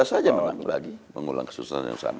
ya bisa saja memang lagi mengulang kesuksesan yang sama bisa